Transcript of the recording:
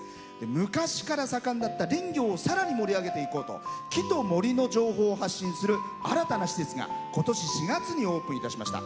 昔から盛んだった林業をさらに盛り上げていこうと木と森の情報を発信する新たな施設が今年４月にオープンいたしました。